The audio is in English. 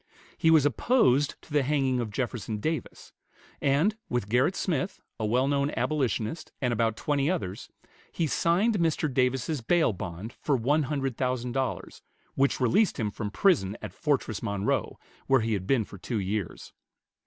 He was opposed to the hanging of Jefferson Davis; and with Gerritt Smith, a well known abolitionist, and about twenty others, he signed Mr. Davis's bail bond for one hundred thousand dollars, which released him from prison at Fortress Monroe, where he had been for two years.